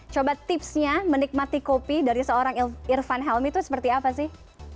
coba tipsnya menikmati kopi dari seorang irfan helmi itu seperti apa sih